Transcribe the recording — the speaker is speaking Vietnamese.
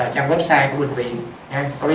trong website của bệnh viện nha